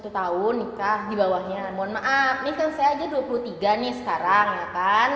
satu tahun nikah di bawahnya mohon maaf ini kan saya aja dua puluh tiga nih sekarang ya kan